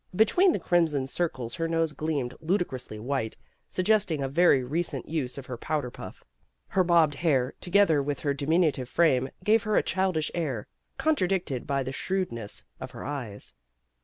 Between the crimson circles her nose gleamed ludicrously white, sug gesting a very recent use of her powder puff. Her bobbed hair, together with her diminutive frame, gave her a childish air, contradicted by the shrewdness of her eyes.